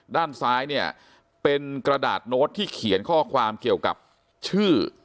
ด้านซ้ายเนี่ยเป็นกระดาษโน้ตที่เขียนข้อความเกี่ยวกับชื่อ